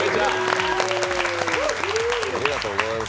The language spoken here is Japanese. ありがとうございます